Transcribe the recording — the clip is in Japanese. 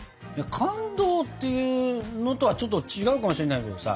感動っていうのとはちょっと違うかもしれないけどさ。